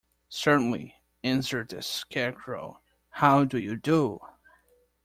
"Certainly," answered the Scarecrow; "how do you do?"